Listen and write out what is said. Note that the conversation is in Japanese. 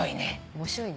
面白いね。